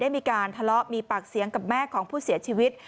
มีการทะเลาะมีปากเสียงกับแม่ของผู้เสียชีวิต